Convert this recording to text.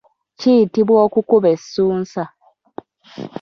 Kiyitibwa okukuba essunsa.